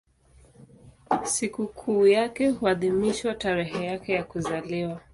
Sikukuu yake huadhimishwa tarehe yake ya kuzaliwa.